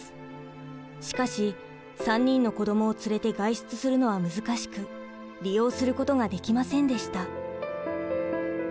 しかし３人の子どもを連れて外出するのは難しく利用することができませんでした。